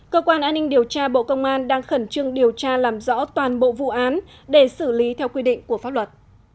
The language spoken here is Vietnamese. cơ quan an ninh điều tra bộ công an đang khẩn trương điều tra làm rõ toàn bộ vụ án để xử lý theo quy định của pháp luật